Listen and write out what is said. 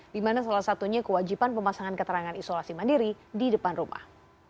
di mana salah satunya kewajiban pemasangan keterangan isolasi mandiri di depan rumah